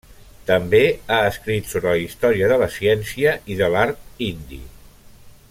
També ha escrit sobre la història de la ciència i de l'art indi.